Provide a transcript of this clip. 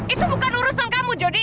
itu bukan urusan kamu